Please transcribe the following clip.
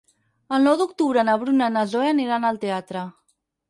El nou d'octubre na Bruna i na Zoè aniran al teatre.